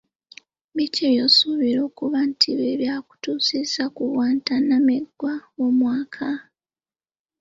Biki by'osuubira okuba nti bye byakutuusizza ku bwannantameggwa bw'omwaka?